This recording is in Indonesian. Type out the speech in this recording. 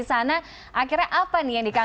saya sendiri kampus unikal